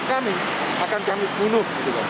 kami akan kami bunuh